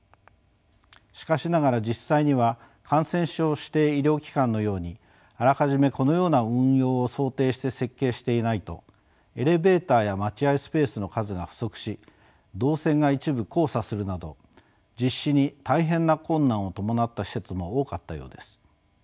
しかしながら実際には感染症指定医療機関のようにあらかじめこのような運用を想定して設計していないとエレベーターや待合スペースの数が不足し動線が一部交差するなど実施に大変な困難を伴った施設も多かったようです。